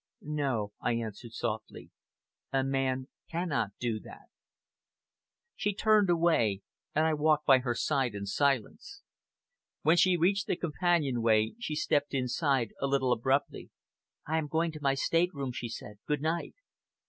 "No!" I answered softly, "a man cannot do that." She turned away, and I walked by her side in silence. When she reached the companion way, she stepped inside a little abruptly. "I am going to my state room," she said. "Good night!"